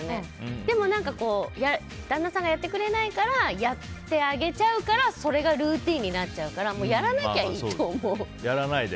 でも、旦那さんがやってくれないからやってあげちゃうからそれがルーティンになるから。やらなきゃいいと思う。